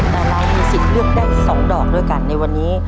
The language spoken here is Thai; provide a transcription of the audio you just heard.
แต่เรามีสิทธิ์เลือกได้๒ดอกด้วยกันในวันนี้